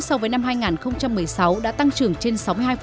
so với năm hai nghìn một mươi sáu đã tăng trưởng trên sáu mươi hai